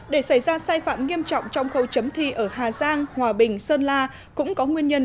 để xảy ra sai phạm nghiêm trọng trong khâu chấm thi ở hà giang hòa bình sơn la cũng có nguyên nhân